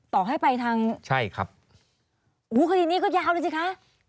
ต่อให้ไปทางขดีนี้ก็ยาวแล้วสิคะ